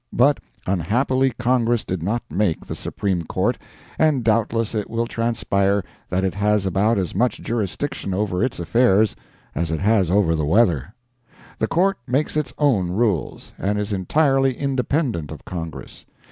But unhappily Congress did not make the Supreme Court, and doubtless it will transpire that it has about as much jurisdiction over its affairs as it has over the weather. The Court makes its own rules, and is entirely independent of Congress.